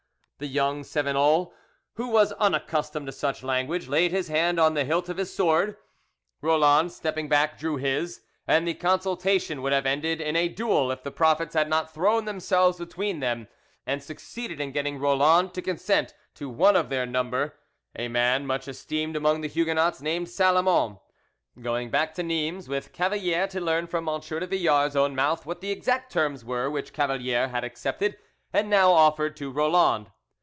The young Cevenol, who was unaccustomed to such language, laid his hand on the hilt of his sword, Roland, stepping back, drew his, and the consultation would have ended in a duel if the prophets had not thrown themselves between them, and succeeded in getting Roland to consent to one of their number, a man much esteemed among the Huguenots, named Salomon, going back to Nimes with Cavalier to learn from M. de Villars' own mouth what the exact terms were which Cavalier had accepted and now offered to Roland.